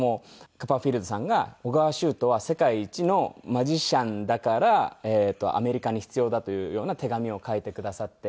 カッパーフィールドさんが緒川集人は世界一のマジシャンだからアメリカに必要だというような手紙を書いてくださって。